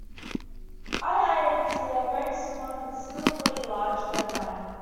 I, I, and C are very similar, considerably larger than I.